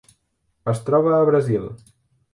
Es troba a Brasil.